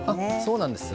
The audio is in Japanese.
そうなんです。